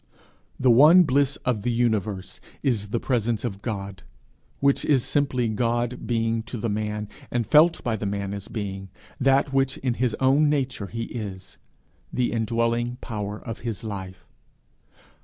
The one bliss of the universe is the presence of God which is simply God being to the man, and felt by the man as being, that which in his own nature he is the indwelling power of his life.